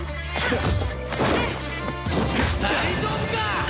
大丈夫か？